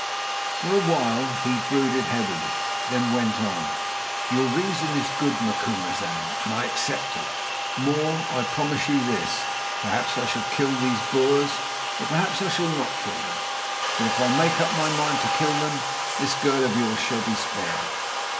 For a while he brooded heavily, then went on: "Your reason is good, Macumazahn, and I accept it. More, I promise you this. Perhaps I shall kill these Boers, or perhaps I shall not kill them. But if I make up my mind to kill them, this girl of yours shall be spared.